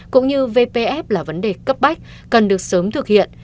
cũng như vpf là vấn đề cấp bách cần được sớm thực hiện